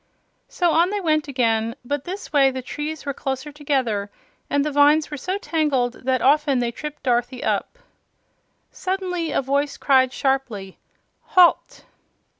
So on they went again, but this way the trees were closer together, and the vines were so tangled that often they tripped Dorothy up. Suddenly a voice cried sharply: "Halt!"